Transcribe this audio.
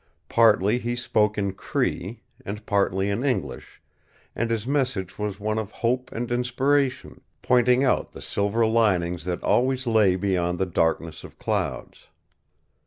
Partly he spoke in Cree, and partly in English, and his message was one of hope and inspiration, pointing out the silver linings that always lay beyond the darkness of clouds.